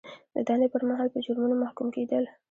د دندې پر مهال په جرمونو محکوم کیدل.